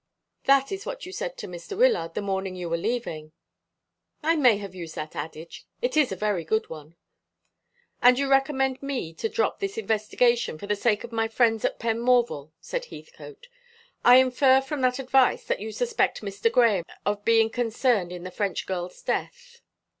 '" "That is what you said to Mr. Wyllard the morning you were leaving." "I may have used that adage. It is a very good one." "And you recommend me to drop this investigation, for the sake of my friends at Penmorval," said Heathcote. "I infer from that advice that you suspect Mr. Grahame of being concerned in the French girl's death."